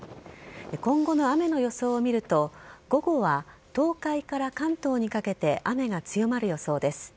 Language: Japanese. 今後の雨の予想を見ると午後は東海から関東にかけて雨が強まる予想です。